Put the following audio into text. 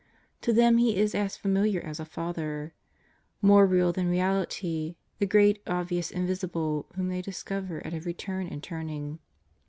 To them He is as familiar as a Father; more real than reality, the Great Obvious Invisible whom they discover at every turn and turning.